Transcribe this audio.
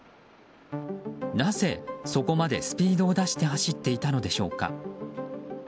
なぜ、そこまでスピードを出して走っていたのでしょうか。